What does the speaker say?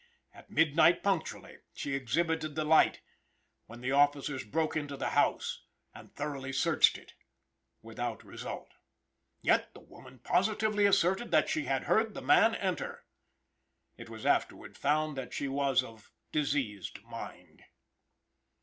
At midnight punctually she exhibited the light, when the officers broke into the house and thoroughly searched it, without result. Yet the woman positively asserted that she had heard the man enter. It was afterward found that she was of diseased mind.